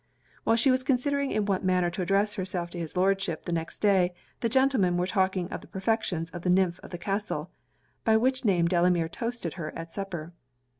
While she was considering in what manner to address herself to his Lordship the next day, the gentlemen were talking of the perfections of the nymph of the castle; by which name Delamere toasted her at supper.